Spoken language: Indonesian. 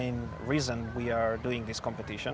untuk kami melakukan kompetisi ini